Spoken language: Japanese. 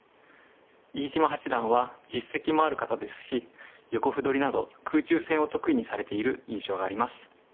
飯島八段は実績もある方ですし横歩取りなど空中戦を得意にされている印象があります。